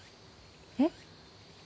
えっ？